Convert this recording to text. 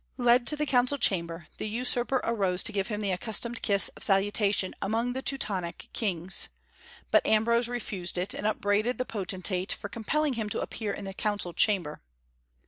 Led to the council chamber, the usurper arose to give him the accustomed kiss of salutation among the Teutonic kings. But Ambrose refused it, and upbraided the potentate for compelling him to appear in the council chamber.